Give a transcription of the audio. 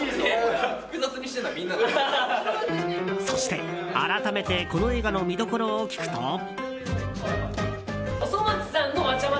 そして、改めてこの映画の見どころを聞くと。